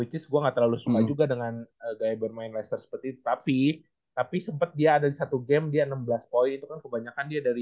hampir kebanyakan di atas